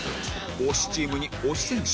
推しチームに推し選手